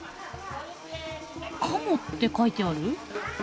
鴨って書いてある。